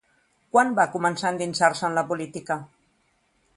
Quan va començar a endinsar-se en la política?